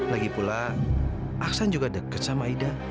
lagipula aksan juga deket sama aida